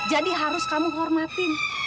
jadi harus kamu hormatin